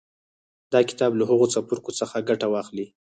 د کتاب له هغو څپرکو څخه ګټه واخلئ